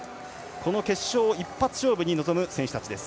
この決勝一発勝負に臨む選手です。